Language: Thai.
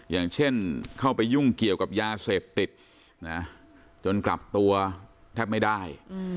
อย่างเช่นเข้าไปยุ่งเกี่ยวกับยาเสพติดจนกลับตัวแทบไม่ได้